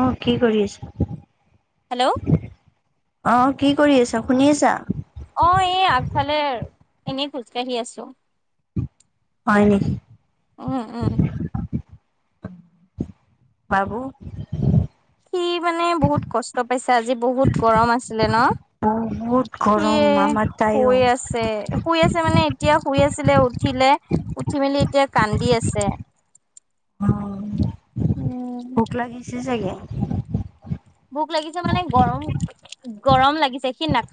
অ কি কৰি আছা? হেল্ল'! অ কি কৰি আছ শুনি আছা? অ এই আগফালে এনেই খোজকাঢ়ি আছোঁ। হয় নেকি? উম উম। বাবু সি মানে বহুত কষ্ট পাইছে আজি বহুত গৰম আছিলে ন। বহুত গ সি শুই আছে, শুই আছে মানে এতিয়া শুই আছিলে উঠিলে। উঠি মেলি এতিয়া কান্দি আছে। অ। উম! সি চাগে। ভোক লাগিছে মানে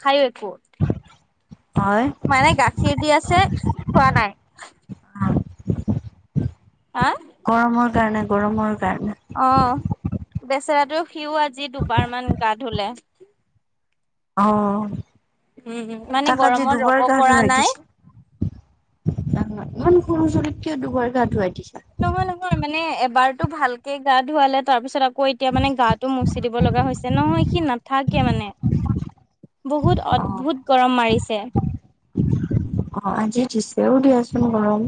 হাইৱে কট। হয় মানে গাখীৰ দি আছে খোৱা নাই। অ। গৰমৰ কাৰণে গৰমৰ কাৰণে অ, বেচেৰাটো সিও আজি দুবাৰ মান গা ধুলে। অ। উম উম মানে তাক আজি গৰমত দুবাৰ ৰ'ব গা পৰা ধুয়াই নাই দিছে । সৰু ছোৱালীক কিয় দুবাৰ গা ধুৱায়। নহয় নহয় মানে এবাৰ টো ভালকে গা ধুৱালে তাৰ পিছত আকৌ এতিয়া মানে গাটো মচি দিব লগা হৈছে নহয় সি নাথাকে মানে [inaudible] বহুত অ অদ্ভুত গৰম মাৰিছে অ আজি দিছে দিয়া চোন গৰম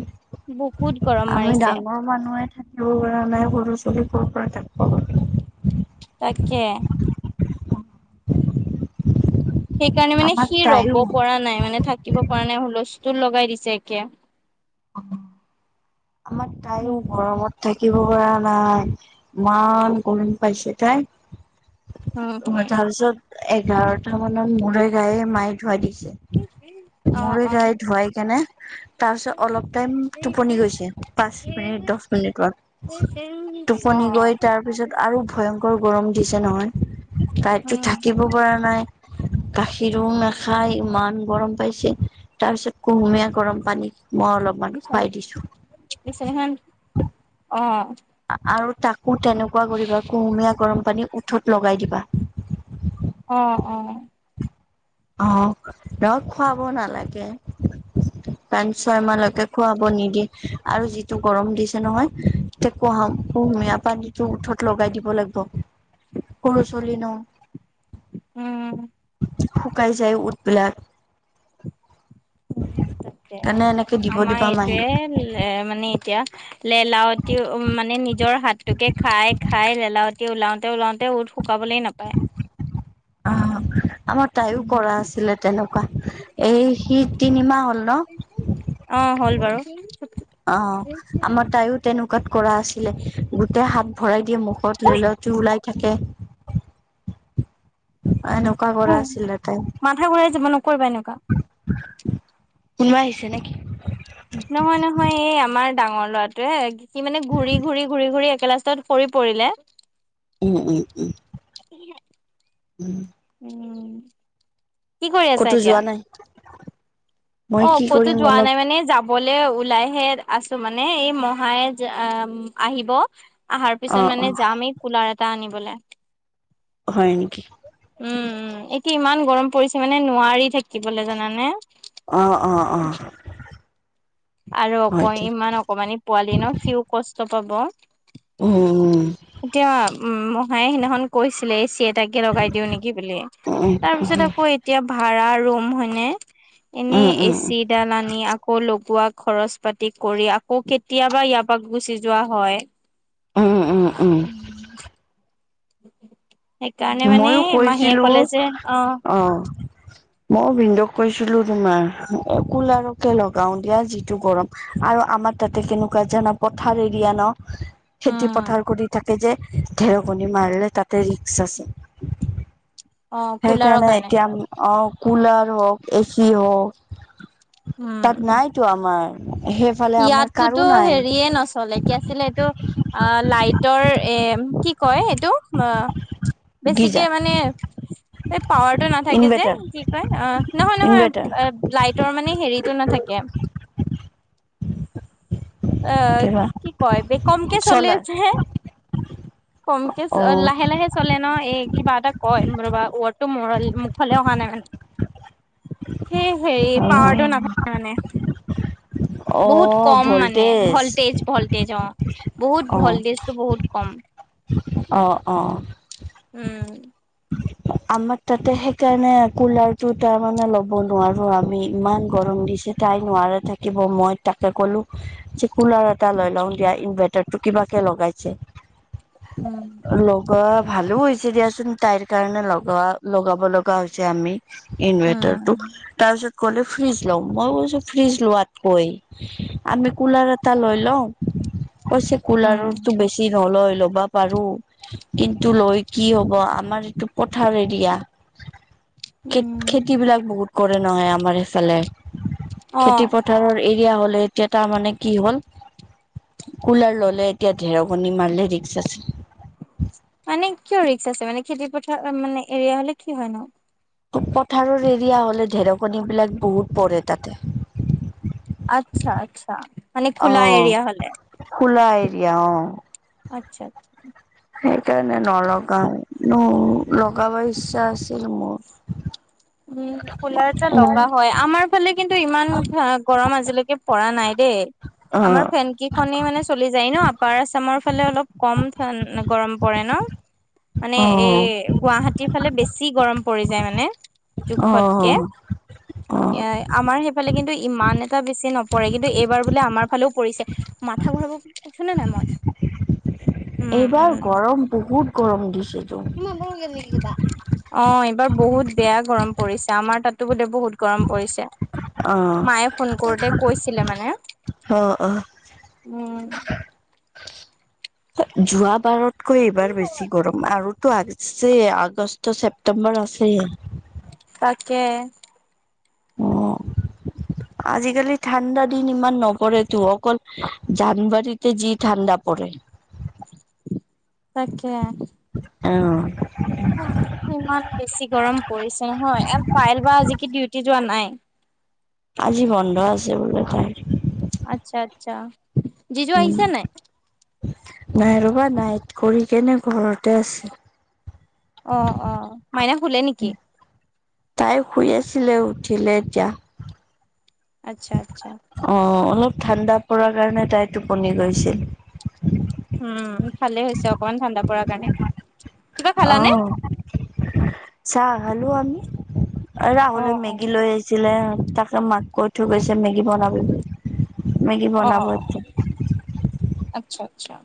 বহুত গৰম আমি মাৰিছে ডাঙৰ মানুহে থাকিব পৰা নাই সৰু [unintelligible] তাকে। সেইকাৰণে মানে আমাৰ সি ৰব তাইও পৰা নাই মানে থাকিব পৰা নাই হুলচটো লগাই দিছে একে। আমাৰ তাইও উম গৰমত থাকিব পৰা নাই ইমান গৰম পাইছে তাই? অ হম তাৰপিছত এঘাৰটা মানত মোৰে গায়ে মায়ে ধুৱাই দিয়ে। অ মোৰে অ অ' অ' গাই ধোৱাই কেনে তাৰপিছত অলপ টাইম টোপনি গৈছে, পাঁচ মিনিট দশমিনিটত টোপনি গৈ তাৰ পিছত আৰু ভয়ংকৰ গৰম দিছে নহয়, তাইতো উম থাকিব পৰা নাই। [unintelligible] গাখীৰো নাখাই ইমান গৰম পাইছে তাৰপিছত পিছত কুহুমীয়া গৰম পানী। মই অলপমান বিচনা খুৱাই দিছো। বিচনাখন অ আৰু তাকো তেনেকুৱা কৰিবা কুহুমীয়া গৰম পানী উঠত লগাই দিবা। অ অ। আহ ডৰৱ খুৱাব নালাগে। পাছ -ছয় মাহলৈকে খোৱাব নিদিয়ে আৰু যিটো গৰম দিছ [unintelligible] লগাই দিব লাগিব সৰু ছোৱালী ন । উম। শুকাই যায় উথবিলাক উ তাকে আমাৰ দিবা মাহী এইটয়ে এ মানে এতিয়া লেলাৱতি উ মানে নিজৰ হাতটোকে খাই খাই লেলাৱতি ওলাওতে ওলাওতে উথ শুকাবলে নাপায় অ আমাৰ তাইও কৰা আছিলে তেনেকুৱা এই সি তিনিমাহ হ'ল ন অ হ'ল বাৰু অ আমাৰ তাইও তেনেকুৱাত কৰা আছিলে গোটেই হাত ভৰাই মুখত ঐ লেলাউতি ওলাই থাকে আৰু এনকা কৰা আছিলে তাই মাথা ঘূৰাই যাব নকৰিবা এনেকুৱা কোনোবা আহিছে নেকি নহয় নহয় এই আমাৰ ডাঙৰ লৰাটোৱে সি মানে ঘূৰি ঘূৰি ঘূৰি ঘূৰি একেলাষ্টত সৰি পৰিলে উম উম উম উম, উম কি কৰি ক'তো আছা যোৱা এতিয়া নাই? মই অ কি ক'তো কৰিম যোৱা অলপ নাই মানে যাবলৈ ওলাইহে আছো মানে এই মহাই আহিব অহাৰ পিছত অ', মানে অ', যাম এই কুলাৰ এটা আনিবলে হয় নেকি উম উম এতিয়া ইমান গৰম পৰিছে মানে নোৱাৰি থাকিবলৈ জানানে আহ অ অ আৰু অক হয় দিয়া। ইমান অকমানি পোৱালি ন সিও কষ্ট পাব উম উম এতিয়া উম মহায়ে সিদিনাখন কৈছিলে চিয় তাকে লগাই দিও নেকি ব উম, তাৰ পিছত আকৌ এতিয়া ভাড়া ৰুম হয়নে উম, এনেই উম, এচিডাল আনি আকৌ লগোৱা খৰচ পাতি কৰি আকৌ কেতিয়াবা ইয়াৰ পৰা গুচি যোৱা হয় উম উম উম [inaudible] মানে ময়ো মাহীয়ে কৈছিলো কলে যে অ মই ভিনধৌ কৈছিলো তোমাৰ কুলাৰকে লগাও দিয়া যিটো গৰম আৰু আমাৰ তাতে কেনেকুৱা জানা পথাৰ এৰিয়া ন খেতি উম পথাৰ কৰি থাকে যে ঢেৰকনি মাৰিলে তাতে ৰিক্স আছে অ কুলাৰৰ সেইকাৰণে কাৰণে এতিয়া অ কুলাৰ হওক এ চি হওক উম তাত উম নাইতো আমাৰ সেইফালে আমাৰ কাৰো ইয়াততোতো নাই হেৰিয়ে নচলে কি আছিল এইটো অ লাইটৰ এ কি কয় এইটো ম বেছিকে গিজাৰ মানে পাৱাৰটো নাথাকে যে ইনভাৰ্টাৰ কি কয় অ নহয় নহয় ইনভাৰ্টাৰ এ লাইটৰ মানে হেৰিতটো নাথাকে আহ কিবা কি কয় ব কমকে চলে চ'লাৰ আছে কমকে অ লাহে লাহে চলে ন এই কিবা এটা কয় ৰবা ৱৰ্ড টো মৰল মুখলে অহা নাই মানে সেই সেই পাৱাৰটো নাথাকে মানে অ বহুত কম মানে ভল্টেজ ভল্টেজ অ বহুত ভাল্টেজতো বহুত কম অঁ অঁ উম আমাৰ তাতে সেইকাৰণে কুলাৰ টো তাৰমানানে ল'ব নোৱাৰো আমি ইমান গৰম দিছো যে তাই নোৱাৰে থাকিব মই তাকে ক'লো যে কুলাৰ এটা লৈ লওঁ দিয়া ইনভাৰ্টাৰ টো কিবা কে লগাইছে উম লগোৱা ভালো হৈছে দিয়াচোন তাইৰ কাৰণে লগ লৱা লগাব লগা হৈছে আমি ইনভাৰ্টাৰটো উম। তাৰপিছত কলো ফ্ৰিজ লম মই কৈছো ফ্ৰিজ লোৱাতকৈ আমি কুলাৰ এটা লৈ লওঁ কৈছে কুলাৰ তো বেছি নলয় লবা পাৰো কিন্তু লৈ কি হব আমাৰ এইটো পট পথাৰ এৰিয়া খেত উম, খেতি বিলাক বহুত কৰে নহয় আমাৰ এইফালে অ', খেতি পথাৰৰ এৰিয়া হলে এতিয়া তাৰমানানে কি হ'ল কুলাৰ ল'লে এতিয়া ঢেৰকণী মাৰলি ৰিক্স আছে মানে কিয় ৰিক্স আছে মানে খেতি পথাৰ মানে এৰিয়া হলে কি হয় নো পথাৰৰ এৰিয়া হ'লে ঢেৰেকনি বিলাক বহুত পৰে তাতে আচ্ছা আচ্ছা মানে খোলা অ', এৰিয়া হলে খোলা এৰিয়া অ আচ্ছা আচ্ছা সেইকাৰণে নলগাও লগাব ইচ্ছা আছিল মোৰ উম কুলাৰ এটা লগা হয় আমাৰ ফালে কিন্তু ইমান গৰম আজিলৈকে পৰা নাই দে দেই আমাৰ অ', ফেন কেইখনে মানে চলি যায় ন আপাৰ আসামৰ সেইফালে অলপ কম ফেন গৰম পৰে ন মানে এ অ', গুৱাহাটীৰ ফালে বেছি গৰম পৰি যায় মানে জোখতকে অ', অ'। এ আমাৰ সেইফালে কিন্তু ইমান এটা বেছি নপৰে কিন্তু এইবাৰ বোলে আমাৰ সেইফালেও পৰিছে মাথা ঘূৰাব বুলি কৈছো নে নাই মই উম এইবাৰ উম গৰম বহুত গৰম দিছে অ এইবাৰ বহুত বেয়া গৰম পৰিছে আমাৰ তাতো বোলে বহুত গৰম পৰিছে অ'। মায়ে ফোন কৰোতে কৈছিলে মানে অ', অ', উম যোৱা বাৰতকৈ এইবাৰ বেছি গৰম আৰু টো আছে আগষ্ট ছেপ্টেম্বৰ আছে। তাকে অ আজিকালি ঠাণ্ডা দিন ইমান । কৰে তো অকল জানুৱাৰীতে যি ঠাণ্ডা পৰে। তাকে অ [inaudible] ইমান বেছি গৰম পৰিছে নহয় এ পাইল বা আজি কি ডিউটি যোৱা নাই? আজি বন্ধ আছে বোলে তাই আচ্ছা আচ্ছা জিজু উম। আহিছে নাই? নাই ৰবা নাইট কৰি কেনে ঘৰতে আছে। অ অ মাইনা শুলে নিকি? তাই শুই আছিলে উঠিলে এতিয়া আচ্ছা আচ্ছা। অ অলপ ঠাণ্ডা পৰাৰ কাৰণে তাই টোপনি গৈছিল। উম ভালে হৈছে অকমান ঠাণ্ডা পৰাৰ কাৰণে। কিবা খালানে? আহ চাহ খালো আমি। অ ৰাহুলে অ মেগী লৈ আহিছিলে তাকে মাক কৈ থৈ গৈছে মেগী বনাব বুলি। মেগী অ বনাব অ অ পিছত। আচ্ছা আচ্ছা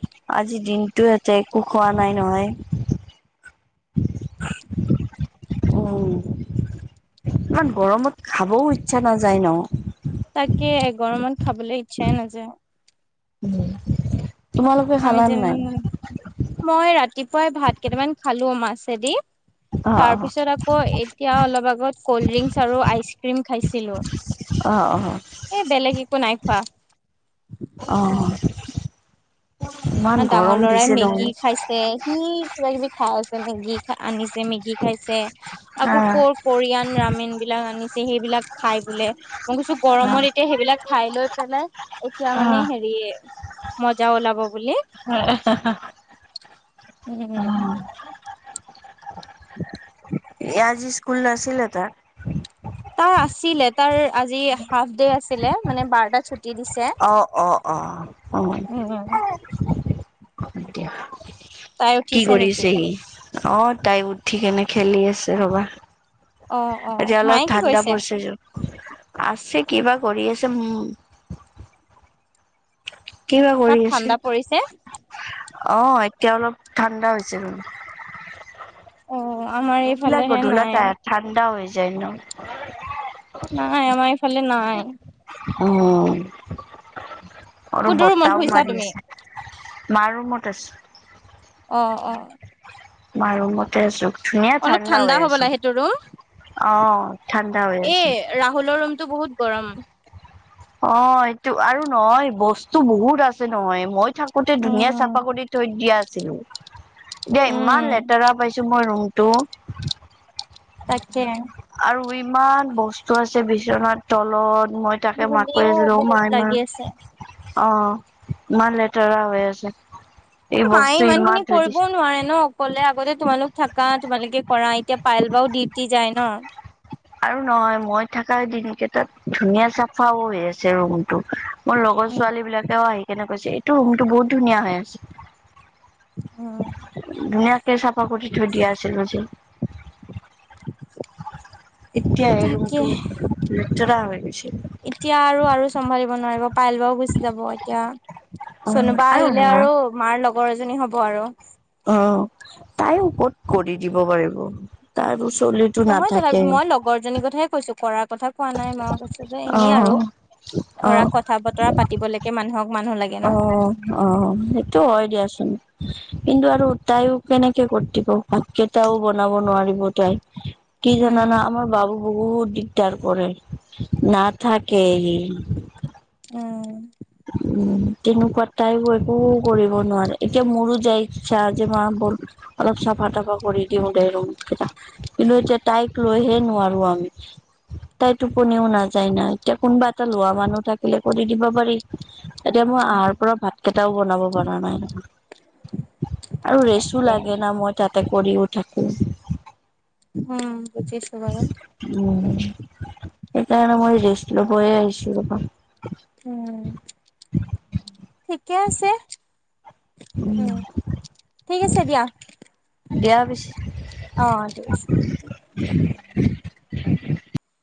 আজিৰ দিনটো এতে একো খোৱা নাই নহয়। অ ইমান গৰমত খাবও ইচ্ছা নাযায় ন। তাকে গৰমত খাবলৈ ইচ্ছাই নাযায়। উম আমি যেন মই ৰাতিপুৱাই ভাত কেইটামান খালো মাছেদি। অ তাৰ পিছত আকৌ এতিয়া অলপ আগত কল্ড ড্ৰিংকচ আৰু আইচ ক্ৰীম খাইছিলো। অ অ এ বেলেগ একো নাই খোৱা। অ অ ইমান ডাঙৰ গৰম লৰাই দিছে মেগী নহয় খাইছে সি কিবা কিবি খাই আছে মেগী আনিছে মেগী খাইছে অ আকৌ ক কৰিয়ান ৰামেন বিলাক আনিছে। সেইবিলাক খাই বোলে মই কৈছো অ গৰমত এতিয়া সেইবিলাক খাই লৈ পেলাই এতিয়া মানে হেৰি মজা ওলাব বুলি। হ উম আজি স্কুল নাছিলে তাৰ তাৰ আছিলে তাৰ আজি হাফ ডে আছিলে মানে বাৰটা। দিছে। অ অ অ উ দিয়া তাই কি উঠিছে নেকি? কৰিছেহি অ তাই উঠিকেনে খেলি আছে ৰবা। অ', অ', এতিয়া অলপ মায়ে কি ঠাণ্ডা কৰিছে? পৰিছে যে। আছে কিবা কৰি আছে উম। কিবা তাত কৰি আছে ঠাণ্ডা পৰিছে? অ এতিয়া অলপ ঠাণ্ডা হৈছে ৰ। অ', আমাৰ ৰুম বিলাক এইফালেহে নাই, গধলতে ঠাণ্ডা হৈ যায় ন। নাই আমাৰ এইফালে নাই। উম আৰু কোনটো ৰুমত বতাও শুইছা মাৰি তুমি? আছে। মাৰৰুমত আছো। অ অ মা ৰূমতে আছো। ধুনীয়া অলপ ঠাণ্ডা হৈ হ'ব আছে লা সেইটো ৰুম অ', ঠাণ্ডা হৈ এ আছে। ৰাহুলৰ ৰুম টো বহুত গৰম। অ' এইটো আৰু নহয় বস্তু বহুত আছে নহয় মই থাকোতে ধুনীয়া উম, চাফা কৰি থৈ দিয়া আছিলোঁ এতিয়া উম, ইমান লেতেৰা পাইছো মই ৰুম টো। তাকে আৰু ইমান বস্তু আছে বিচনাৰ তলত। মই তাকে মাক কৈ ধূলিও আছিলো অ মা বহুত লাগি ইমান আছে। অ'। ইমান লেতেৰা হৈ আছে। এই মায়ে বস্তু ইমান খিনি থৈ দিছে কৰিবও নোৱাৰে ন অকলে আগতে তোমালোক থাকা তোমালোকে কৰা এতিয়া পায়েল বাও দিউটি যায় ন! আৰু নহয় মই থাকা দিন কেটাত ধুনীয়া চাফাও হৈ আছে ৰুমটো। মোৰ লগৰ ছোৱালী বিলাকেও আহি কেনে কৈছে এইটো ৰুমটো বহুত ধুনীয়া হৈ আছে। উম। ধুনীয়াকে চাফা কৰি থৈ দিয়া আছিলোঁ যে। এতিয়া এই তাকে ৰুমটো লেতেৰা হৈ গৈছে। এতিয়া আৰু আৰু চম্ভালিব নোৱাৰিব পায়েল বাও গুচি যাব এতিয়া। চনোবা আহিলে আৰু মাৰ লগৰ এজনী হব আৰু অ তাই ওপৰত কৰি দিব পাৰিব তাৰ পিছত নহয় তথাপ মই লগৰজনীৰ কথাহে কৈছো কৰাৰ কথা কোৱা নাই মই কৈছো যে এনেই আৰু অ'। ধৰা অ', কথা বতৰা পাতিবলৈকে মানুহক মানুহ লাগে। ন অ' অ' অ' অ' সেইটো হয় দিয়াচোন। কিন্তু আৰু তাইও কেনেকে কৰ দিব ভাতকেটাও বনাব নোৱাৰিব তাই। কি উম জানানা আমাৰ বাবু বহুত দিগদাৰ কৰে নাথাকে সি উম [inaudible] উম তেনেকুৱা তাইও একো কৰিব নোৱাৰে এতিয়া মোৰো যায় ইচ্ছা যে মা বল অলপ চাফা তাফা কৰি দিওঁ দে ৰুমকেটা কিন্তু এতিয়া তাইক লৈহে নোৱাৰো আমি। তাই টোপনিও নাযায় না এতিয়া কোনোবা এটা লোৱা মানুহ থাকিলে কৰি দিবা পাৰি। এতিয়া মই আহাৰ পৰা ভাত কেইটাও বনাব পৰা নাই । আৰু ৰেচো লাগে না মই তাতে কৰিও থাকোঁ। উম বুজিছো বাৰু । উম সেইকাৰণে মই ৰেষ্ট লবয়ে আহিছো ৰবা। উম, ঠিকে আছে। উম। ঠিক আছে দিয়া। দিয়া পিছে। অ'